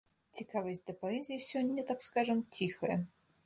Цікавасць да паэзіі сёння, так скажам, ціхая.